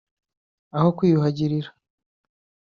aho kwiyuhagirira